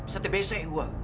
satu besek gua